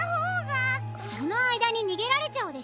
そのあいだににげられちゃうでしょ！